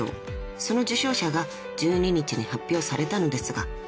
［その受賞者が１２日に発表されたのですが皆さん。